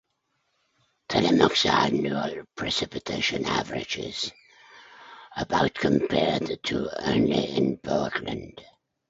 Tillamook's annual precipitation averages about compared to only in Portland.